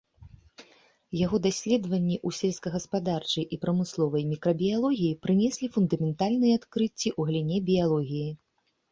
Яго даследаванні ў сельскагаспадарчай і прамысловай мікрабіялогіі прынеслі фундаментальныя адкрыцці ў галіне біялогіі.